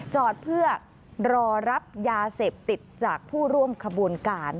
จอดเพื่อรอรับยาเสพติดจากผู้ร่วมขบวนการ